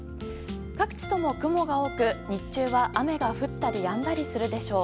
各地とも雲が多く日中は、雨が降ったりやんだりするでしょう。